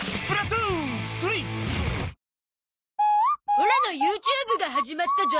オラの ＹｏｕＴｕｂｅ が始まったゾ